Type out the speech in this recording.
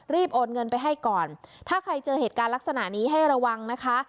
โอนเงินไปให้ก่อนถ้าใครเจอเหตุการณ์ลักษณะนี้ให้ระวังนะคะ